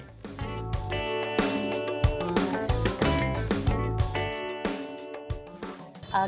bagaimana cara bagi waktunya